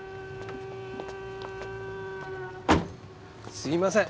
すいません。